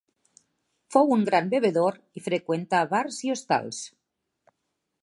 Fou un gran bevedor i freqüentà bars i hostals.